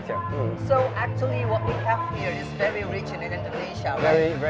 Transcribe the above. kita punya cerita